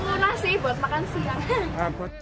mau nasi buat makan siang